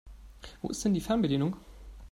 Wo ist denn die Fernbedienung?